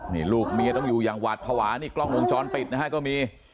นี่ลูกเมียต้องอยู่อย่างหวาดภาวะนี่กล้องวงจรปิดนะฮะก็มี